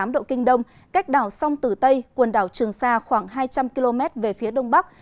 một trăm một mươi năm tám độ kinh đông cách đảo sông tử tây quần đảo trường sa khoảng hai trăm linh km về phía đông bắc